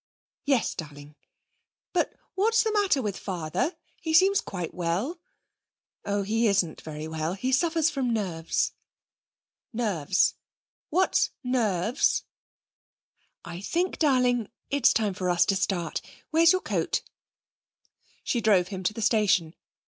'Yes, darling?' 'But what's the matter with father? He seems quite well.' 'Oh, he isn't very well. He suffers from nerves.' 'Nerves! What's nerves?' 'I think, darling, it's time for us to start. Where's your coat?' She drove him to the station.